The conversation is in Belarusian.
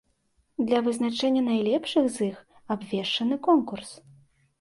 Для вызначэння найлепшых з іх абвешчаны конкурс.